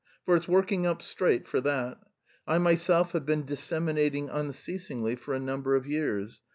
For it's working up straight for that. I myself have been disseminating unceasingly for a number of years.